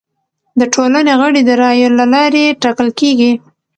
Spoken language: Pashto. د ټولنې غړي د رایو له لارې ټاکل کیږي.